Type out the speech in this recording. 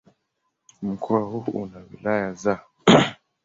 Mkoa huu una wilaya za